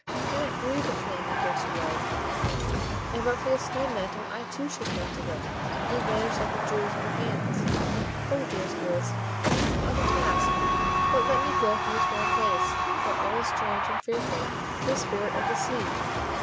I cannot breathe the flames that give you life, and but for this snow mantle I too should melt away, and vanish like the jewels in your hands. O dear Spirits, give me some other task, but let me go from this warm place, where all is strange and fearful to a Spirit of the sea."